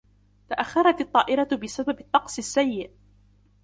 تأخرت الطائرة بسبب الطقس السيء.